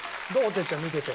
哲ちゃん見てて。